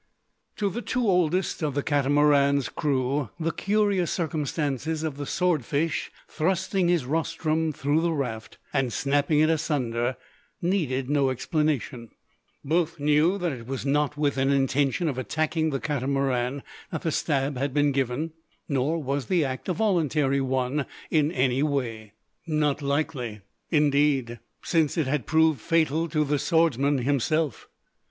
To the two oldest of the Catamaran's crew the curious circumstances of the sword fish thrusting his rostrum through the raft, and snapping it asunder, needed no explanation. Both knew that it was not with an intention of attacking the Catamaran that the "stab" had been given; nor was the act a voluntary one, in any way. Not likely, indeed; since it had proved fatal to the swordsman himself.